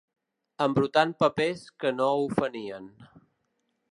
Embrutant papers que no ofenien.